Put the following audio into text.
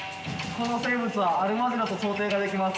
この生物はアルマジロと想定ができます。